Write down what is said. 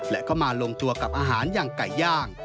และก็มาลงตัวกับอาหารอย่างไก่ย่าง